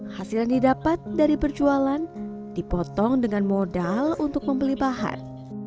hasil yang didapat dari perjualan dipotong dengan modal untuk membeli bahan